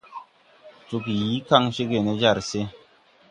Jooge yii kaŋ cégè ne jar se.